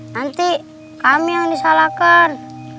nanti kami yang disalahkan